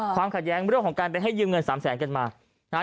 ความขัดแย้งเรื่องของการเป็นให้ยืมเงิน๓แสนกันมา